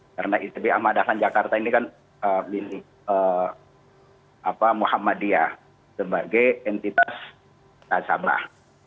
karena itb ahmad dahlan jakarta ini kan milik muhammadiyah sebagai entitas nasabah